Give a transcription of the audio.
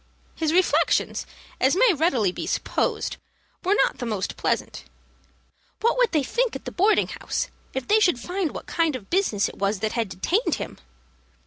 His reflections, as may readily be supposed, were not the most pleasant. What would they think at the boarding house, if they should find what kind of business it was that had detained him!